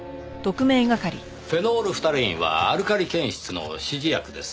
フェノールフタレインはアルカリ検出の指示薬です。